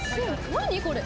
何これ？